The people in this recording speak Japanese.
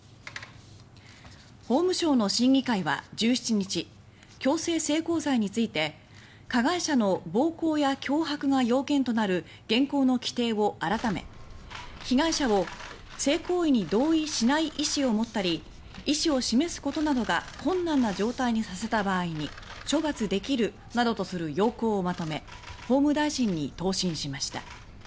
法務省の審議会は１７日強制性交罪について加害者の暴行や脅迫が要件となる現行の規定を改め被害者を性行為に同意しない意思を持ったり意思を示すことなどが困難な状態にさせた場合に処罰できるなどとする要綱をまとめ法務大臣に答申しました。